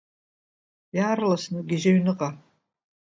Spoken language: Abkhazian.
Иаарласны угьежьы аҩныҟа!